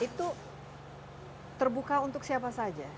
itu terbuka untuk siapa saja